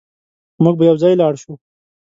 موږ به يوځای لاړ شو